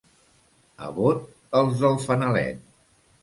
A Bot, els del fanalet.